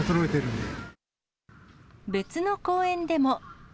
別の公園でも。